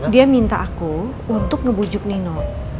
dia minta aku untuk ngebujuk nino